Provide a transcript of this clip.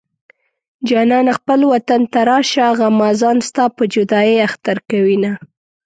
جانانه خپل وطن ته راشه غمازان ستا په جدايۍ اختر کوينه